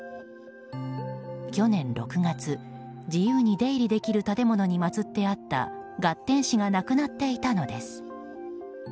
去年６月、自由に出入りできる建物にまつってあった月天子がなくなっていたのです。